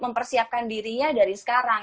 mempersiapkan dirinya dari sekarang